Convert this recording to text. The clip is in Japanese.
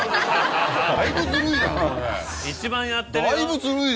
一番やってるよ。